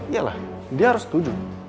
iyalah dia harus setuju